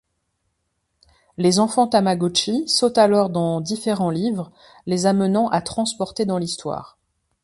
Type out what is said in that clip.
Les enfants Tamagotchis sautent alors dans différents livres, les amenant à transporter dans l'histoire.